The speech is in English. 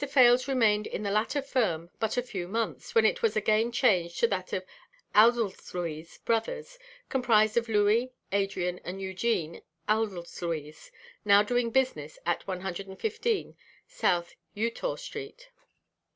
Fales remained in the latter firm but a few months, when it was again changed to that of Oudesluys Bros., comprised of Louis, Adrian and Eugene Oudesluys, now doing business at 115 S. Eutaw street.